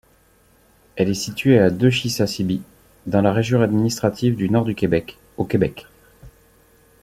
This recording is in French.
Elle est située à de Chisasibi, dans la région administrative du Nord-du-Québec, au Québec.